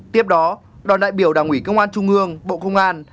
tiếp đó đoàn đại biểu đảng ủy công an trung ương bộ công an